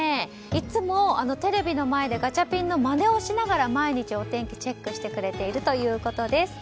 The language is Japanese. いつもテレビの前でガチャピンのまねをしながら毎日お天気をチェックしてくれているということです。